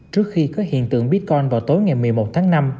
trước khi có hiện tượng bitcoin vào tối ngày một mươi một tháng năm